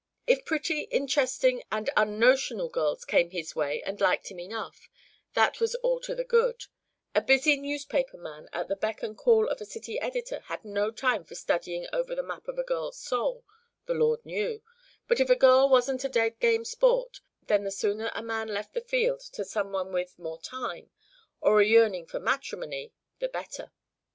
If pretty, interesting, and unnotional girls came his way and liked him enough, that was "all to the good"; a busy newspaper man at the beck and call of a city editor had no time for studying over the map of a girl's soul, the lord knew; but if a girl wasn't a "dead game sport," then the sooner a man left the field to some one with more time, or a yearning for matrimony, the better.